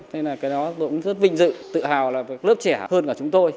thế là cái đó tôi cũng rất vinh dự tự hào là lớp trẻ hơn cả chúng tôi